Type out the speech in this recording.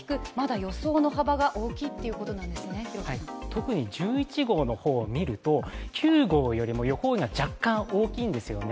特に１１号を見ると９号よりも予報円が若干大きいんですよね。